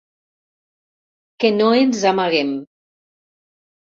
Que no ens amaguem.